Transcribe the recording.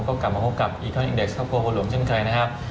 ก็กลับมาพบกับอีกออนอิงเด็กซ์เข้าโกหลหลวงเช่นใครนะครับ